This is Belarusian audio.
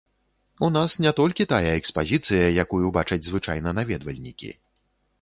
У нас не толькі тая экспазіцыя, якую бачаць звычайна наведвальнікі.